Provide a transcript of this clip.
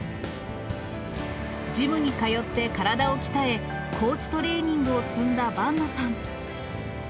ジムに通って体を鍛え、高地トレーニングを積んだ伴野さん。